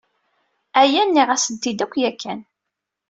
Aya nniɣ-asen-t-id akk yakan.